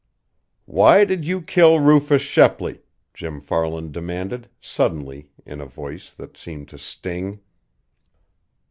"Why did you kill Rufus Shepley?" Jim Farland demanded suddenly in a voice that seemed to sting.